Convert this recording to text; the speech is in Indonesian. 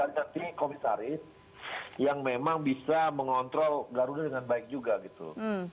tapi kita juga berkarya nanti komisaris yang memang bisa mengontrol garuda dengan baik juga gitu